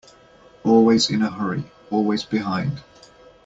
Always in a hurry, always behind.